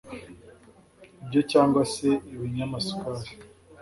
ibyo cyangwa se ibinyamasukari.